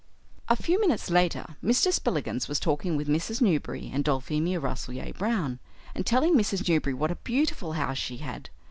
A few minutes later Mr. Spillikins was talking with Mrs. Newberry and Dulphemia Rasselyer Brown, and telling Mrs. Newberry what a beautiful house she had.